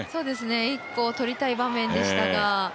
１個、とりたい場面でしたが。